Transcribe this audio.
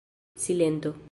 Silento.